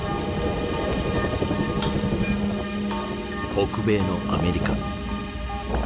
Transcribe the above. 北米のアメリカ。